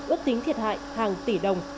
ước tính thiệt hại hàng tỷ đồng